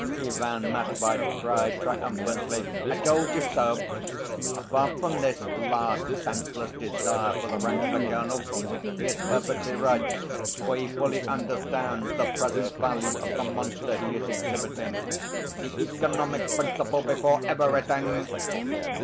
Ivan Matveitch cried triumphantly. "I told you so! Apart from this last senseless desire for the rank of a colonel, he is perfectly right, for he fully understands the present value of the monster he is exhibiting. The economic principle before everything!"